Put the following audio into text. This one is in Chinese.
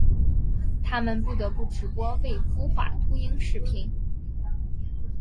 他们不得不直播未孵化秃鹰视频。